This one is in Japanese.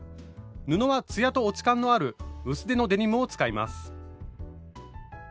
布はツヤと落ち感のある薄手のデニムを使います。